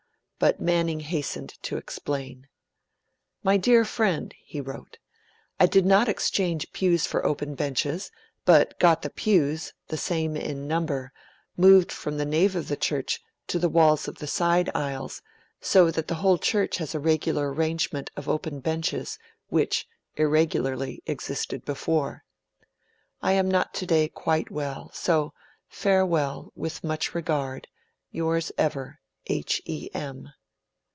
But Manning hastened to explain: 'My dear friend,' he wrote, 'I did not exchange pews for open benches, but got the pews (the same in number) moved from the nave of the church to the walls of the side aisles, so that the whole church has a regular arrangement of open benches, which (irregularly) existed before ... I am not today quite well, so farewell, with much regard Yours ever, H. E. M.'